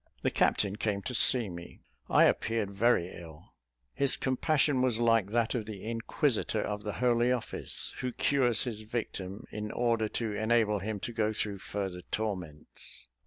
The captain came to see me I appeared very ill his compassion was like that of the Inquisitor of the Holy Office, who cures his victim in order to enable him to go through further torments.